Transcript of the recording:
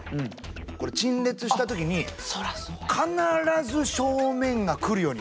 これ陳列した時に必ず正面が来るように。